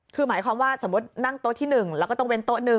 คือหมายความว่าสมมุตินั่งโต๊ะที่๑แล้วก็ต้องเว้นโต๊ะ๑